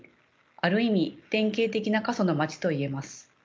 ある意味典型的な過疎のまちと言えます。